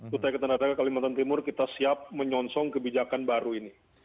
kutai ketandatangani kalimantan timur kita siap menyonsong kebijakan baru ini